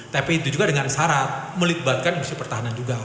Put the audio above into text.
tapi itu juga dengan syarat melibatkan industri pertahanan juga